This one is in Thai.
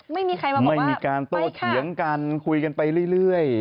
ไม่มีใครมาบอกว่าไปค่ะไม่มีการโตเฉียงกันคุยกันไปเรื่อย